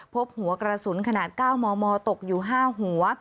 พบหัวกระสุนขนาด๙มมตกอยู่๕หัว